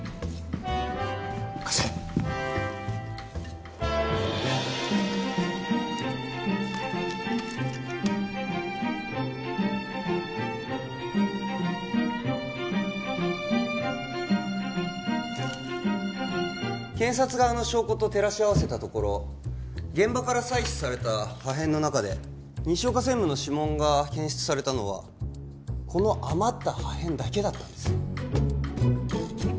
貸せ検察側の証拠と照らし合わせたところ現場から採取された破片の中で西岡専務の指紋が検出されたのはこの余った破片だけだったんです